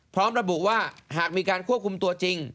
พร้อมระบุว่าหากมีการควบคุมตัวจริง